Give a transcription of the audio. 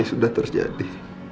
ini sudah terjadi